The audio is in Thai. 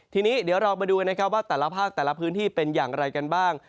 ทีนี้เดี๋ยวเรามาดูกันนะครับว่าแต่ละภาคแต่ละพื้นที่เป็นอย่างไรกันบ้าง